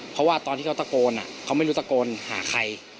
เพราะว่าตอนที่เขาตะโกนเขาไม่รู้ตะโกนหาใคร